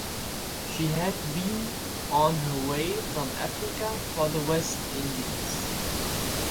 She had been on her way from Africa for the West Indies.